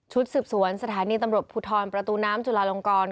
สืบสวนสถานีตำรวจภูทรประตูน้ำจุลาลงกร